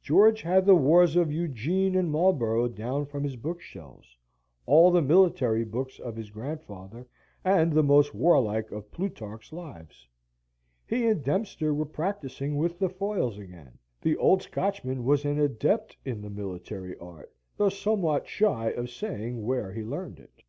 George had the wars of Eugene and Marlborough down from his bookshelves, all the military books of his grandfather, and the most warlike of Plutarch's lives. He and Dempster were practising with the foils again. The old Scotchman was an adept in the military art, though somewhat shy of saying where he learned it.